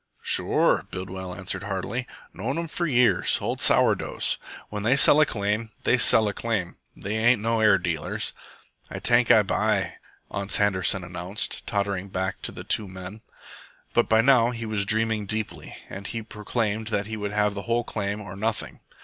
"Sure," Bidwell answered heartily. "Known 'em for years. Old sour doughs. When they sell a claim, they sell a claim. They ain't no air dealers." "Ay tank Ay buy," Ans Handerson announced, tottering back to the two men. But by now he was dreaming deeply, and he proclaimed he would have the whole claim or nothing.